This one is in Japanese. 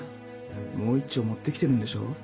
もう一丁持ってきてるんでしょ？